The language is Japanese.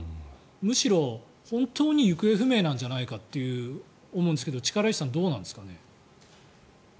むしろ、本当に行方不明なんじゃないかと思うんですが力石さん、どうなんですかね？